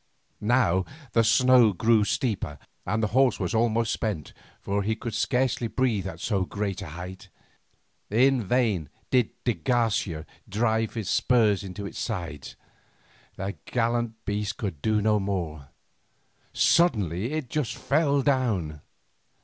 Now the snow grew steeper, and the horse was almost spent, for he could scarcely breathe at so great a height. In vain did de Garcia drive his spurs into its sides, the gallant beast could do no more. Suddenly it fell down.